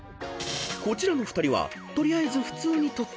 ［こちらの２人は取りあえず普通に撮ってみる］